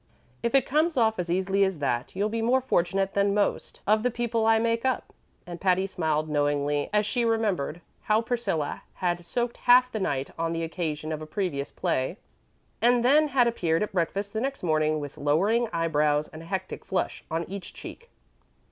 "If it comes off as easily as that, you'll be more fortunate than most of the people I make up"; and Patty smiled knowingly as she remembered how Priscilla had soaked half the night on the occasion of a previous play, and then had appeared at breakfast the next morning with lowering eyebrows and a hectic flush on each cheek.